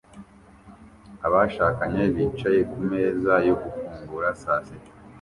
Abashakanye bicaye kumeza yo gufungura saa sita